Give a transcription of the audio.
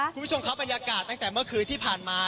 คุณผู้ชมครับบรรยากาศตั้งแต่เมื่อคืนที่ผ่านมา